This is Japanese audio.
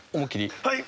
はい。